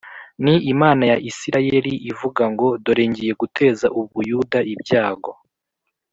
Ni Imana ya Isirayeli ivuga ngo “Dore ngiye guteza u Buyuda ibyago”